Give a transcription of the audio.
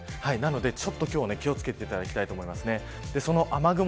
なので、ちょっと今日は気を付けていただきたいと思います。